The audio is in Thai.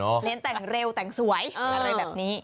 เน้นแต่งเร็วแต่งสวยอะไรแบบนี้